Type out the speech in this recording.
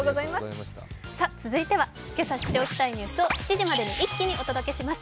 続いては今朝知っておきたいニュースを７時までに一気にお届けします。